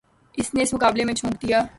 اس نے اس مقابلے میں جھونک دیا۔